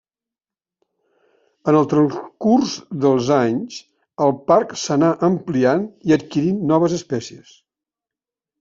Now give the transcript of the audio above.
En el transcurs dels anys, el parc s'anà ampliant i adquirint noves espècies.